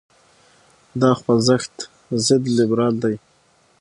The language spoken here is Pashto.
دا خوځښت ضد لیبرال دی.